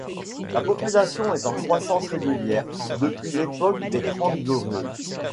La population est en croissance régulière depuis l'époque des Trente Glorieuses.